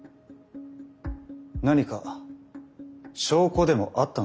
何か証拠でもあったのですか？